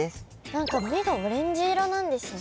何か目がオレンジ色なんですね？